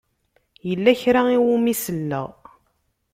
Yella kra i wumi selleɣ.